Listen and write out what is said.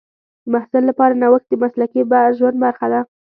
د محصل لپاره نوښت د مسلکي ژوند برخه ده.